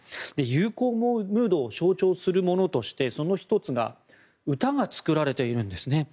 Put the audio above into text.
友好ムードを象徴するものとしてその１つが歌が作られているんですね。